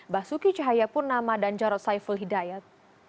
basuki cahayapurnama dan jarod saiful hidayat